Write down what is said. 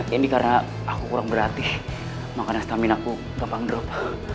ini karena aku kurang berlatih makanan stamina aku gampang drop